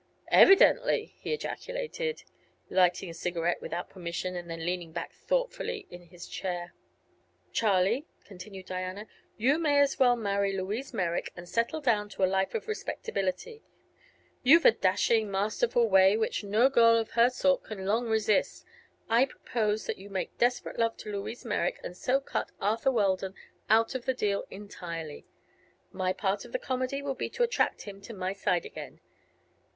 "Evidently!" he ejaculated, lighting a cigarette without permission and then leaning back thoughtfully in his chair. "Charlie," continued Diana, "you may as well marry Louise Merrick and settle down to a life of respectability. You've a dashing, masterful way which no girl of her sort can long resist. I propose that you make desperate love to Louise Merrick and so cut Arthur Weldon out of the deal entirely. My part of the comedy will be to attract him to my side again.